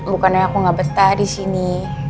bukannya aku gak betah disini